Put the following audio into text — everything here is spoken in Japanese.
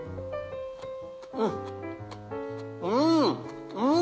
うんうん！